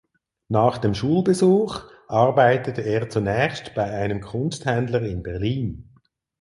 Nach dem Schulbesuch arbeitete er zunächst bei einem Kunsthändler in Berlin.